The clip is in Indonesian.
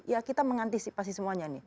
ya kita mengantisipasi semuanya nih